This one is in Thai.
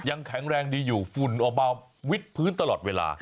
ยังแข็งแรงดีอยู่ฝุ่นออกมาวิดพื้นตลอดเวลา